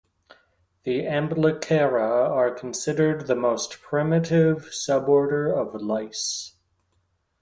The Amblycera are considered the most primitive suborder of lice.